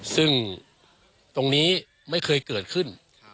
ซึ่งตรงนี้ไม่เคยเกิดขึ้น